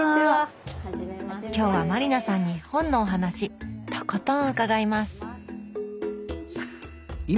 今日は満里奈さんに本のお話とことん伺います！